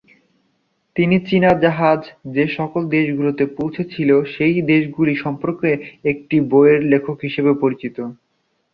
তিনি চীনা জাহাজ যে সকল দেশগুলোতে পৌঁছেছিল সেই দেশগুলি সম্পর্কে একটি বইয়ের লেখক হিসাবে পরিচিত।